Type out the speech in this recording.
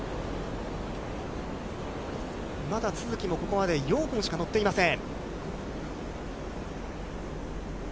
まだ都筑もここまで４本しか乗っていません。